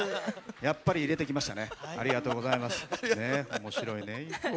やっぱり入れてきましたね。